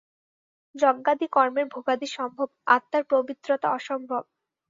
যজ্ঞাদি কর্মের ভোগাদি সম্ভব, আত্মার পবিত্রতা অসম্ভব।